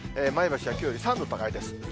前橋はきょうより３度高いです。